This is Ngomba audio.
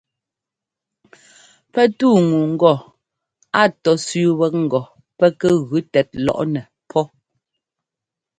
Pɛ́ túu ŋu ŋgɔ a tɔ́ ɛ́sẅíi wɛ́k ŋgɔ pɛ́ kɛ gʉ tɛt lɔꞌnɛ pɔ́.